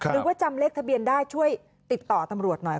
หรือว่าจำเลขทะเบียนได้ช่วยติดต่อตำรวจหน่อย